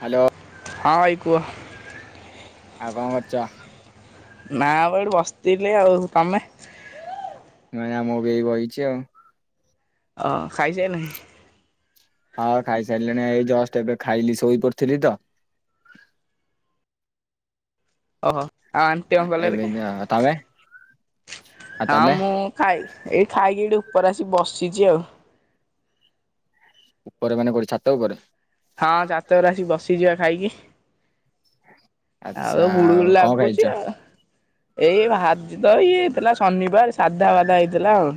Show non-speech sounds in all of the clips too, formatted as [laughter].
Hello ହଁ, ଇ କୁହ। ଆଉ କଣ ଅଛ? ନା ଏଠ ବସିଥିଲି ଆଉ ତମେ। ମ ଆମ ଏଇ ରହିଛି ଆଉ। ଅ ଖାଇଛ ନହିଁ। ହଁ ଖାଇସାରିଲାଣି ଏଇ ଜଷ୍ଟ ଏବେ ଖାଇଲି ଶୋଇ ପଡିଥିଲି ତ। ଓହୋ। ଆ ଆଣ୍ଟି ଏବେ କଲରେିକ ତମେ ଆଉ ହଁ ତମେ? ମୁଁ ଖାଇ ଏଇଠି ଖାଇକି ଏଠୁ। ଉପରେ ଆସି ବସିଛି ଆଉ। ଉପରେ ମାନେ କରି ଛାତ ଉପରେ। ହଁ ଚାତ ବରେ ଆସି ବସିଯିବା ଖାଇକି। ହଁ। ଆଉ ଗୁଳିଗୁଳି ଲାଗୁଛି ଆଉ ଏଇ ଭାତଛି ତ ଇଏ ଥିଲା ଶନିବାର ସାଧା ବାଲା ହେଇଥିଲା ଆଉ।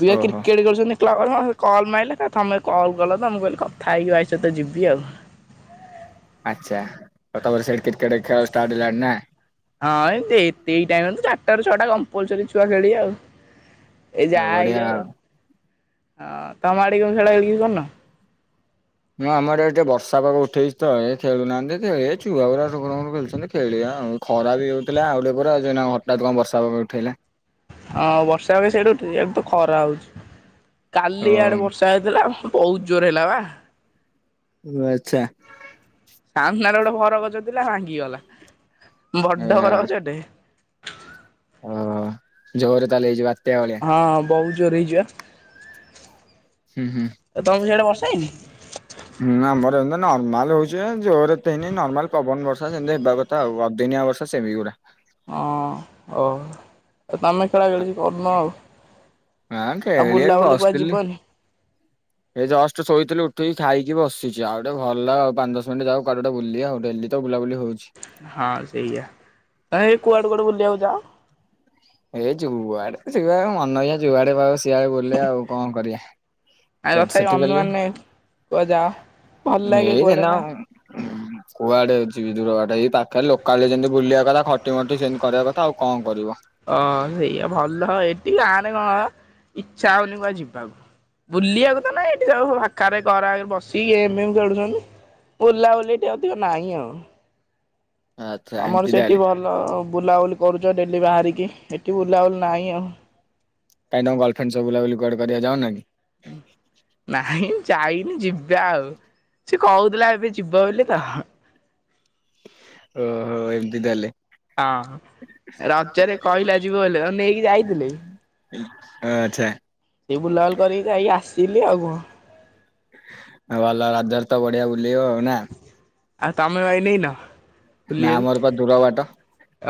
ବି ଓହୋ କ୍ରିକେଟ କରୁଛନ୍ତି କ୍ କଲ ମହିିଲ କ ତମେ କଲ୍ କଲ ତ ମୁଁ କହିଲି କଥା ଖାଇକି ବାଇସ ତ ଯିବି ଆଉ। ତାଡ଼ିଲଣି ନା। ହଁ ଏମତି ଏଇ ଏଇ ଟାଇମ୍ ରେ ଚାରିଟାରୁ ଛଅଟା କମ୍ପଲସରି ଛୁଆ ଖେଳିବେ ଆଉ। ଏଇ ଯାହା ବଢିଆ ହେଇଯାଉ ଆଉ। ହଁ ତମ ଆଡ଼େ ବି କଣ ଖେଳାଖେଳି କିଏ କରୁନ? ନାଁ ଆମ ଆଡ଼େ ଆଜି ଟିକେ ବର୍ଷା ପାଗ ଉଠେଇଛି ତ ଏ ଖେଳୁନାହାଁନ୍ତି ଖେଳିବେ ଛୁଆ ଗୁରା ଠୁକୁରୁ ମୁକୁରୁ ଖେଳୁଛନ୍ତି ଖେଳିଆ ଆଉ। ଖରା ବି ହଉଥିଲା ଆଉ ଟିକେ ପରେ ଆଜି ଏଇନା ହଠାତ୍ କଣ ବର୍ଷା ପାଗ ଉଠେଇଲା। ହଁ ବର୍ଷା ବି ସେଇଠୁ ଉଠେଇଛି ଆଡ଼େ ତ ଖରା ହଉଛି। ଓ କାଲି ଆଡେ ବର୍ଷା ହେଇଥିଲା ବହୁତ। ଜୋର ହେଲା ବା। ଓ ଆଚ୍ଛା। ସାମ୍ନାରେ ଗୋଟେ ଭର ଗଛ ଥିଲା ଭାଙ୍ଗିଗଲା। ବଡ଼ ବର ଗଛ ଟେ। ହଁ ଜୋରେ କାଲି ହେଇଚି ବାତ୍ୟା ଭଳିଆ? ଜୋରରେ ହେଇଚି ବା। ହୁଁ ହୁଁ ଆଉ ତମ ସିଆଡେ ବର୍ଷା ହେଇନି? ହୁଁ ଆମର ଏମିତି ନର୍ମାଲ ହଉଛି ବା ଜୋରେ ଏତେ ହେଇନି। ନର୍ମାଲ ପବନ ବର୍ଷା ଯେମିତି ହେବା କଥା ଆଉ ଅଦିନିଆ ବର୍ଷା ସେମିତି ଗୁଡା। ହଁ ଓ। ଆଉ ତମେ ଖେଳା ଖେଳି କିଛି କରୁନ ଆଉ? ଆଁ ଆଉ ବୁଲାବୁଲିକୁ କୁଆଡ଼େ ଯିବନି? ଏଇ ଜଷ୍ଟ ଶୋଇଥିଲି ଉଠିକି ଖାଇକି ବସିଚି। ଆଉ ଟିକେ ଭଲ ଆଉ ପାଞ୍ଚ ଦଶ ମିନିଟ ଯାଉ କୁଆଡ଼େ ଗୋଟେ ବୁଲିଆ ଆଉ। ଡେଲି ତ ବୁଲାବୁଲି ହଉଛି। ହଁ ସେଇଆ। ତମେ ଏଇ କୁଆଡେ କୁଆଡେ ବୁଲିବାକୁ ଯାଅ? ଏଇ ଯୁଆଡେ ଯୁଆଡ଼େ ମନ ହେଇକା ଯୁଆଡେ ପାଇବ ସି ସିଆଡେ ବୁଲେ ଆଉ କଣ କରିଆ? ଆଉ ତଥାପି ଅନୁମାନ ନାହିଁ କୁଆଡେ ଯାଅ? ଭଲ ଲାଗେ କୁଆଡେ ନା? ହଁ କୁଆଡେ ଅଛିି ବି ଦୂରବାଟ ଏଇ ପାଖ ଖାଲି ଲୋକାଲରେ ଯେମିତି ବୁଲିବା କଥା। ଖଟିମଟି ସେନତି କରିବା କଥା ଆଉ କଣ କରିବ? ହଁ ସେଇଆ ଭଲ। ଏଠି ଗାଁ ରେ କଣ ଇଚ୍ଛା ହଉନି କୁଆଡେ ଯିବାକୁ। ବୁଲିବାକୁ ତ ନାଇଁ ଏଠି ସବୁ ପାଖରେ ଘର ଆଗରେ ବସିକି ଗେମ ଫେମ ଖେଳୁଛନ୍ତି। ବୁଲାବୁଲି ଏଠି ଅଧିକ ନାହିଁ ଆଉ। ଆଚ୍ଛା ତମର ଏମିତି ସେଠି ତାହେଲେ ଭଲ ବୁଲାବୁଲି କରୁଛ ଡେଲି ବାହାରିକି। ଏଠି ବୁଲାବୁଲି ନାହିଁ ଆଉ। କାଇଁ ତମ ଗାର୍ଲଫ୍ରେଣ୍ଡ ସହ ବୁଲାବୁଲି କୁଆଡେ କରିବାକୁ ଯାଉନ କି? ନାହିଁ ଯାଇନି ଯିବା ଆଉ। ସେ କହୁଥିଲା ଏବେ ଯିବ ବୋଲି ତ। ଓହୋ ଏମତି ତାହେଲେ। ହଁ ରଜରେ କହିଲା ଯିବୁ ବୋଲି ଆ ନେଇକି ଯାଇଥିଲି। ଆଚ୍ଛା। ସେ ବୁଲାବୁଲି କରିକି ଯାଇକି ଆସିଲି ଆଉ କଣ। ଆଉ ଭଲ ରଜରେ ତ ବଢିଆ ବୁଲି ଲ ନା। ଆଉ ତମେ ଭାଇ ନେଇନ ନା ବୁଲିବାକୁ ଆମର ପା ଦୂର ବାଟ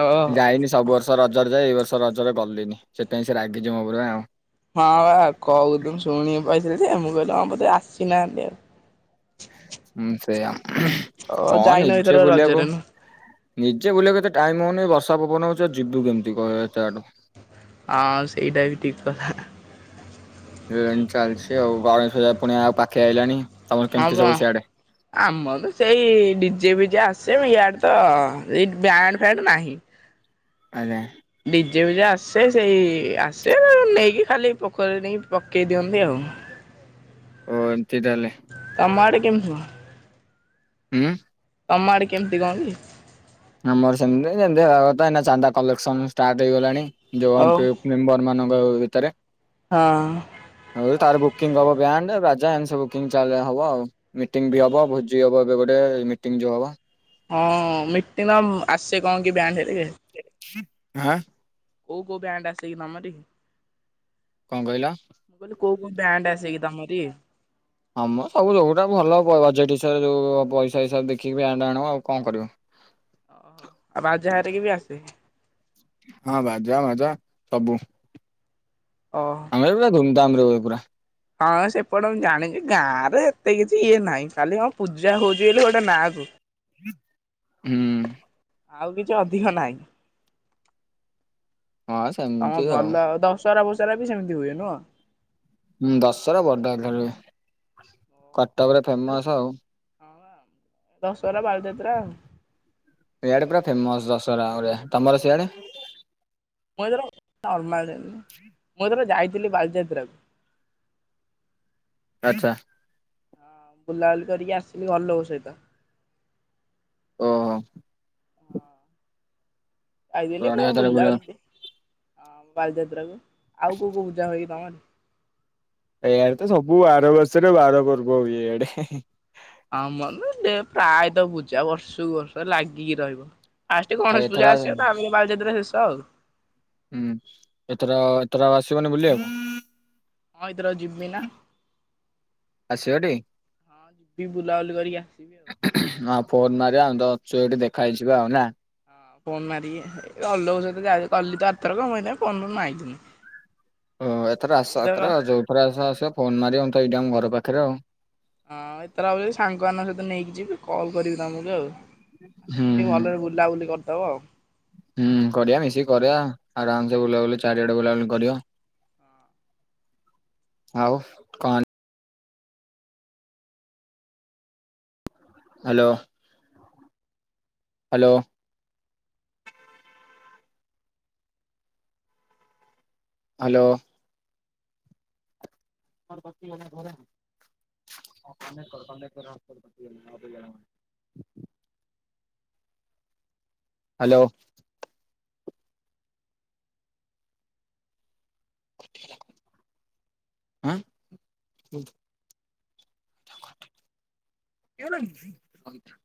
ଓହୋ। ଯାଇନି ସବୁ ବର୍ଷ ରଜରେ ଯାଏ ଏଇ ବର୍ଷ ରଜରେ ଗଲିନି ସେଥିପାଇଁ ସେ ରାଗିଚି ମୋ ଉପରେ। ହଁ ବା କୋହୁଥୁ ଶୁଣି ପା [unintelligible] ମୁଁ କହିଲି ମୁଁ କହିଲି ଆମରତ ଆସି ନାହାନ୍ତି ଆଉ। ସେୟା। ଓ ହଁ ଯାଇନ ଏଥର ନିଜେ ବୁଲିବାକୁ ରଜରେ ନା ନିଜେ ବୁଲିବାକୁତ ଟାଇମ ହୋଉନି ବ ବର୍ଷା ପବନ ହୋଉଚି ଆଉ ଯିବୁ କେମିତି କ ଏତେ ବାଟୁ। ଆଉ ସେଇଟା ବି ଠିକ୍ କଥା। ଏମିତି ଚାଲିଚି ଆଉ ଗଣେଶ ପୂଜା ପୁଣି ଆଉ ପାଖେଇ ଆଇଲାଣି। ତମର ହଁ କେମିତି ବା ସବୁ ସିଆଡେ? ଆମର ତ ସେଇ ଡିଜେ ବିଜେ ଆ ସେଇଆଡ ତ ଏଇ ବ୍ୟାଣ୍ଡ ଫ୍ଯାଣ୍ଡ ନାହିଁ। ଆଜ୍ଞା। ଯେବେ ଯୋଉ ଆସେ ସେଇ ଆସେ ନେଇକି ଖାଲି ପୋଖରୀ ନେଇକି ପକେଇ ଦିଅନ୍ତି ଆଉ। ଓ ଏମିତି ତାହେଲେ। ତମ ଆଡ଼େ କେମିତିି ହୁ ଉଁ ତମା ଆଡ଼େ କେମିତି କଣ କି? ଆମର ସେମତି ଯେମିତି ହେବା କଥା ଏ ଚାନ୍ଦା କଲେକ୍ସନ ଷ୍ଟାର୍ଟ ହେଇଗଲାଣି। ଯୋଉ ଆମ ଆଉ ପେ ମେମ୍ବର ମାନ [unintelligible] ଭିତରେ ହଁ। ଆଉ ତାର ବୁକିଂ ହବ ବ୍ୟାଣ୍ଡ ବା ଯାହା ହେଲେ ସେ ବୁକିଂ ଚାର୍ଜ ହବ ଆଉ। ମିଟିଂ ବି ହବ ଭୋଜି ହବ। ଯୋଉ ଗୋଟେ ମିଟିଂ ଯୋଉ ହବ। ହଁ ମିଟିନମ ଆସେ କଣ କି ବ୍ୟାଣ୍ଡ। [unintelligible] [inaudible] କୋଉ କୋଉ ବ୍ୟାଣ୍ଡ ଆସେ କି ତମରି? କଣ କହିଲ? ମୁଁ କହିଲି କୋଉ କୋଉ ବ୍ୟାଣ୍ଡ ଆସେ କି ତମରି? ଆମର ସବୁ ସବୁଟା ଭଲ ବଜେଟ୍ ହିସାବରେ ପଇସା ହିସାବରେ ଦେଖିକି ଆଣିଲେ ଆଣିବୁ କଣ କରିବୁ। ଓହୋ ଆଉ ବାଯା ହାରି କେ ବି ଆସେ [inaudible] ହଁ ବାଜା ସବୁ ଓହୋ। ଆମରବୋ ଧଉନ ଦାମରେ ରେ ହୁଏ ପୁରା। ହଁ ସେପଟେ ମୁଁ ଜାଣିଛି ଗାଁ ରେ ଏତେ କିଛି ଇଏ ନାହିଁ କାଲି କଣ ପୂଜା ହଉଛି ବୋଲି ଗୋଟେ ନାଁ କୁ ହୁଁ। ଆଉ କିଛି ଅଧିକ ନାହିଁ। ହଁ [inaudible] ତମର ସେମିତି ଭଲ ଆଉ ତମ ସ୍କୁ ଚରା ବଚରା ବି ସେମିତି ହୁଏ ନୂଅ ହଁ ଦଶରା ବଡ଼ ଆକାରରେ ହୁଏ। ମୁଁ କଟକ ରେ ଏଥର ଫେମସ ଆଉ ହଁ। ବାଲିଯାତ୍ରା ଆଉ ଆଡେ ପୁର ଫେମସ ଦଶ [unintelligible] ତମର ସିଆଡେ? ମୁଁ ଏର ନମା ମୁଁ ଏଥର ଯାଇଥିଲି ବାଲିଚାତ୍ରାକୁ ଆଚ୍ଛା। ହଁ ବୁଲାବୁଲି କରିକି ଆସିଲି ଘର ଲୋକ ସହିତ। ଓହୋ। [inaudible] [unintelligible] ଅ ବଢିଆ ତାହେଲେ ବୁଲ ବାଲିଯାତ୍ରା କୁ ଆଉ କୋଉ କୋଉ। [unintelligible] ଏଆଡେ ତ ସବୁ ବାର ବର୍ଷରେ ବାର ପର୍ବ ହୁଏ ଏଆଡେ ହେଁ ହେଁ। ଆମର ପ୍ରାୟତ ପୂଜା ବର୍ଷକୁ ବର୍ଷ ଲାଗିକି ରହିବ। ଆସ ଟିକ ଆଉ ଗଣେଶ ଏଥର ପୂଜାସିବ ତାପରେ ବାଲିଯାତ୍ର ସେ ତଉ ହୁଁ ଏଥର ଏଥର ଆସିବନି ବୁଲିବାକୁ? ଆସିବଟି? [unintelligible] ହଁ ଯିବି ବୁଲାବୁଲି କରି ଆ ଉଁହୁଁ ଉଁହୁଁ ହଁ ଫୋନ୍ ମା ଆଉ ତଛୁଇଠି ଦେଖହଇଯିବ ଆଉ ନା। ହଁ ଫୋନ୍ ମାରିକି ଅଲୋକ ସହିତ ଯା କଲି ତ ଆଥର କମଇଥା ଫୋନ ମାଇଲିନି। ଓଁ ଏଥର ଆସ ଏଥରକ ଏଥର ଯୋଉଥରେ ଆସ ଆସିବ ଫୋନ ମାରିବ ତ ଏଇଟାମ ଘର ପାଖ ଖରେ ଆଉ ହଁ ଏଥର ଆବ ସାଙ୍ଗମାନାନଙ୍କ ସହିତ ନେଇକି ଯିବି କଲ୍ କରିକି ତମକୁ ଆଉ ହୁଁ ଆସିବ ଟିକେ ଭଲରେ ବୁଲାବୁଲି କରି ହଉ ଆଉ ହୁଁ କରିଆ ମିଶିକି କରିଆ ଆରାମସେ ବୁଲାବୁଲି ଚାରିଆଡେ ବୁଲାବୁଲି କରିବ ଆଉ କଣ ହ୍ୟାଲୋ ହ୍ୟାଲୋ। ହ୍ୟାଲୋ। [unintelligible] ହ୍ୟାଲୋ। ଉଁ [unintelligible]